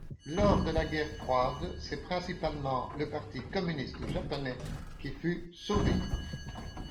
Lors de la guerre froide, c’est principalement le parti communiste japonais qui fut surveillé.